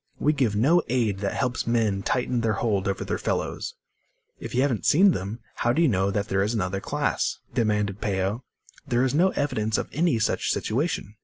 We give no aid that helps men tighten their hold over their fellows." "If you haven't seen them, how do you know there is another class?" demanded Peo. "There is no evidence of any such situation."